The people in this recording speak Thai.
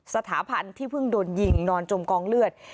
สถาพันธ์ที่เพิ่งโดนยิงนอนจมกองเลือด